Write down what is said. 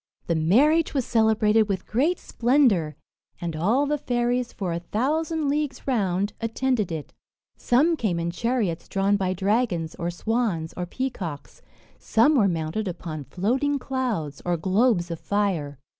The marriage was celebrated with great splendour; and all the fairies, for a thousand leagues round, attended it. Some came in chariots drawn by dragons, or swans, or peacocks; some were mounted upon floating clouds, or globes of fire.